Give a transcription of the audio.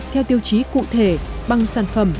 theo tiêu chí cụ thể bằng sản phẩm